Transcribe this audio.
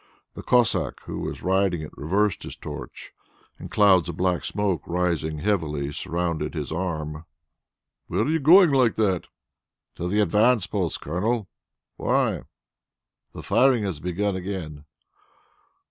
The Cossack who was riding it reversed his torch, and clouds of black smoke, rising heavily, surrounded his arm. "Where are you going like that?" "To the advance posts, Colonel." "Why?" "The firing has begun again."